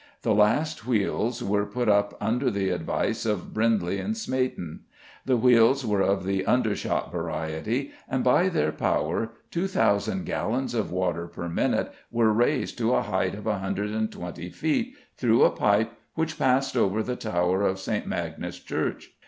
The last wheels were put up under the advice of Brindley and Smeaton. The wheels were of the undershot variety, and by their power 2,000 gallons of water per minute were raised to a height of 120 feet, through a pipe which passed over the tower of St. Magnus' Church.